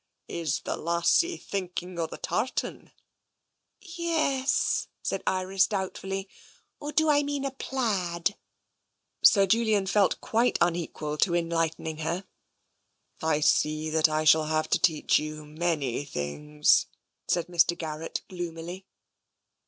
" Is the lassie thinking of the tartan? "" Ye es," said Iris doubtfully. Or do I mean a plaid?" Sir Julian felt quite unequal to enlightening her. " I see that I shall have to teach you many things," said Mr. Garrett gloomily.